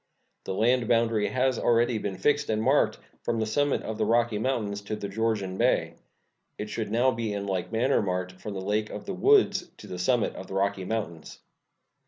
The land boundary has already been fixed and marked from the summit of the Rocky Mountains to the Georgian Bay. It should now be in like manner marked from the Lake of the Woods to the summit of the Rocky Mountains.